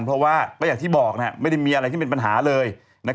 เพราะว่าก็อย่างที่บอกไม่ได้มีอะไรที่เป็นปัญหาเลย